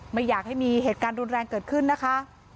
ไม่อยากให้มีเหตุการณ์รุนแรงเกิดขึ้นนะคะ